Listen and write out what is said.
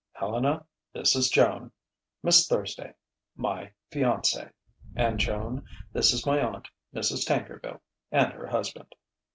Helena, this is Joan Miss Thursday my fiancée. And Joan, this is my aunt, Mrs. Tankerville and her husband."